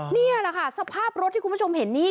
นี่แหละค่ะสภาพรถที่คุณผู้ชมเห็นนี่